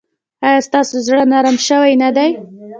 ایا ستاسو زړه نرم شوی نه دی؟